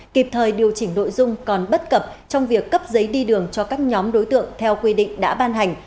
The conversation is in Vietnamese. kịp thời điều chỉnh nội dung còn bất cập trong việc cấp giấy đi đường cho các nhóm đối tượng theo quy định đã ban hành